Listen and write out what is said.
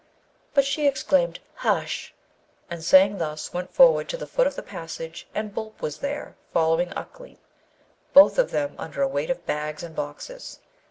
But she exclaimed, 'Hush!' and saying thus went forward to the foot of the passage, and Boolp was there, following Ukleet, both of them under a weight of bags and boxes.